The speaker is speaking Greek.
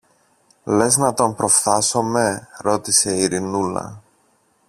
Λες να τον προφθάσομε; ρώτησε η Ειρηνούλα.